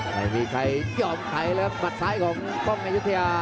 ไม่มีใครยอมไหวไหมครับทุมัดซ้ายของก้องแม่ยุธยา